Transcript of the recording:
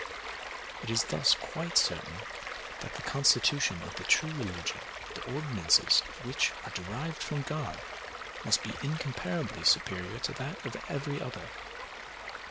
It is thus quite certain that the constitution of the true religion, the ordinances of which are derived from God, must be incomparably superior to that of every other.